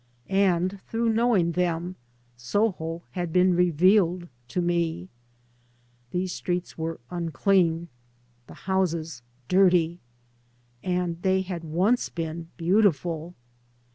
And through knowing them Soho had been revealed to me: these streets were unclean; the houses dirty. And they had once been beautiful.